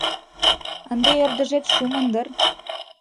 Ынде ӧрдыжет шумын дыр?